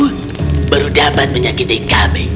aku baru dapat menyakiti kami